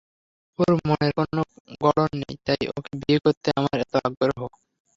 ওর মনের কোনো গড়ন নেই, তাই ওকে বিয়ে করতে আমার এত আগ্রহ।